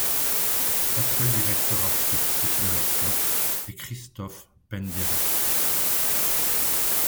L'actuel directeur artistique de l'orchestre est Krzysztof Penderecki.